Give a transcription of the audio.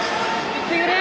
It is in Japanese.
いってくれ！